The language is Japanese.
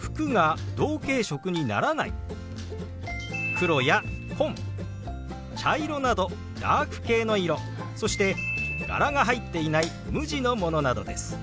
黒や紺茶色などダーク系の色そして柄が入っていない無地のものなどです。